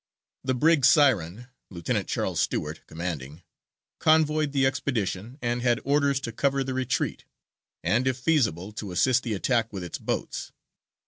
The brig Siren, Lieutenant Charles Stewart, commanding, convoyed the expedition, and had orders to cover the retreat, and if feasible to assist the attack with its boats.